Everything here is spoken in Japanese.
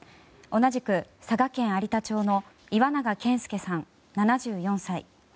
同じく佐賀県有田町の岩永健介さん、７４歳。